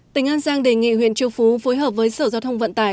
tỉnh an giang đề nghị huyện châu phú phối hợp với sở giao thông vận tải